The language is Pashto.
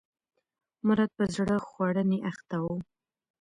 مراد په زړه خوړنې اخته و.